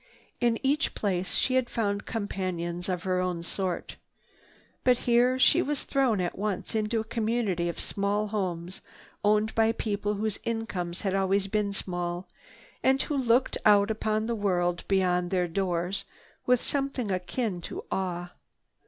In each place she had found companions of her own sort. But here she was thrown at once into a community of small homes owned by people whose incomes had always been small and who looked out upon the world beyond their doors with something akin to awe.